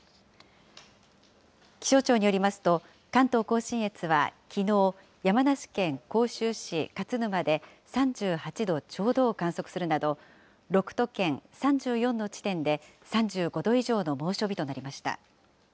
気象庁によりますと、関東甲信越はきのう、山梨県甲州市勝沼で３８度ちょうどを観測するなど、６都県３４の地点で、３５度以上の猛暑日となりました。